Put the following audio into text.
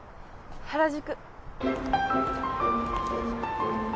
原宿。